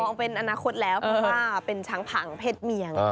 มองเป็นอนาคตแล้วเพราะว่าเป็นช้างผังเพศเมียง